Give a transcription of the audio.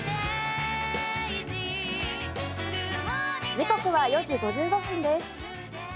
時刻は４時５５分です。